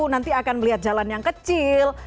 nanti akan melihat jalan yang kecil